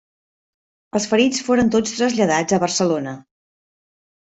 Els ferits foren tots traslladats a Barcelona.